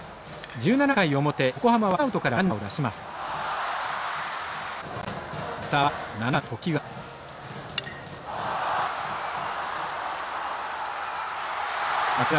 １７回表横浜はツーアウトからランナーを出します。